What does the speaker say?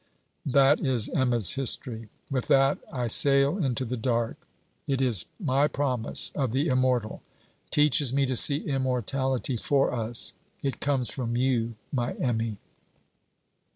That is Emma's history. With that I sail into the dark; it is my promise of the immortal: teaches me to see immortality for us. It comes from you, my Emmy.'